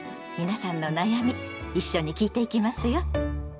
皆さんの悩み一緒に聞いていきますよ。